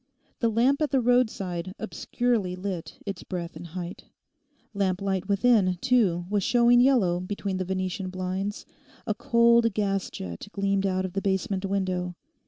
The lamp at the roadside obscurely lit its breadth and height. Lamp light within, too, was showing yellow between the Venetian blinds; a cold gas jet gleamed out of the basement window.